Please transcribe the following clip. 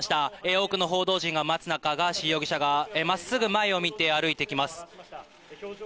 多くの報道陣が待つ中、ガーシー容疑者がまっすぐ前を見て歩いてきます。